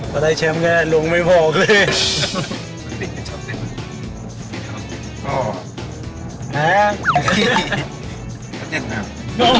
พอได้แชมป์ก็ลงไม่พอเลย